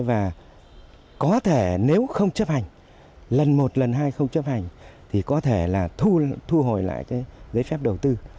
và có thể nếu không chấp hành lần một lần hai không chấp hành thì có thể là thu hồi lại cái giấy phép đầu tư